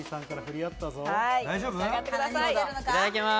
いただきます。